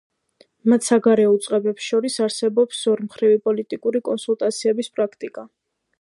მათ საგარეო უწყებებს შორის არსებობს ორმხრივი პოლიტიკური კონსულტაციების პრაქტიკა.